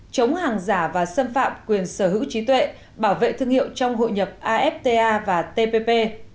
chống hàng giả và xâm phạm quyền sở hữu trí tuệ bảo vệ thương hiệu trong hội nhập afta và tpp